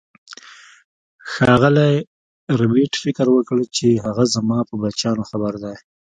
ښاغلي ربیټ فکر وکړ چې هغه زما په بچیانو خبر دی